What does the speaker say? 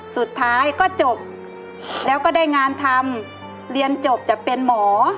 สุดท้ายก็จบแล้วก็ได้งานทำเรียนจบจะเป็นหมอ